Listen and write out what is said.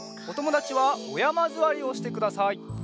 おともだちはおやまずわりをしてください。